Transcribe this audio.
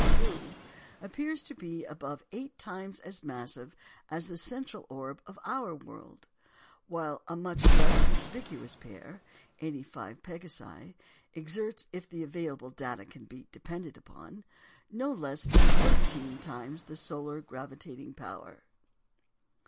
Struve, appears to be above eight times as massive as the central orb of our world; while a much less conspicuous pair 85 Pegasi exerts, if the available data can be depended upon, no less than thirteen times the solar gravitating power.